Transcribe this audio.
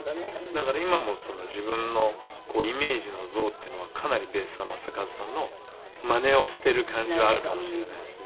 だから今も自分のイメージの像っていうのはかなりベースは正和さんのまねをしてる感じはあるかもしれないですね。